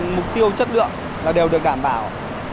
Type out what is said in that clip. mục tiêu chất lượng là đều được đảm bảo